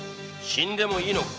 死んでもいいのか。